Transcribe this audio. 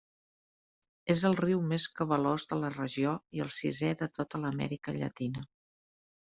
És el riu més cabalós de la regió i el sisè de tota l'Amèrica Llatina.